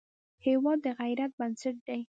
هېواد د غیرت بنسټ دی.